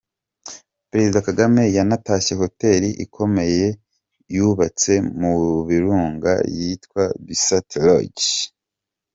Perezida Kagame yanatashye Hoteli ikomeye yubatse mu Birunga yitwa Bisate Lodge.